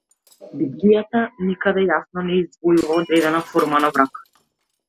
Библијата никаде јасно не издвојува одредена форма на брак.